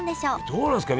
どうなんですか？